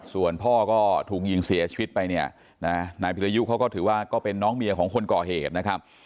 ส่วนพ่อก็ถูกยิงเสียชีวิตไปเนี่ยนะนายพิรยุเขาก็ถือว่าก็เป็นน้องเมียของคนก่อเหตุนะครับ